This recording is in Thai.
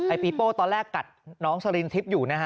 ปีโป้ตอนแรกกัดน้องสลินทิพย์อยู่นะฮะ